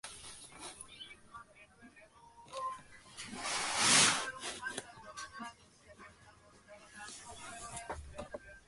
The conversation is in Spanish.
El mecanismo de metabolización es llevado a cabo en el hígado y riñón.